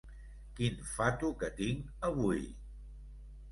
Quin fato que tinc, avui!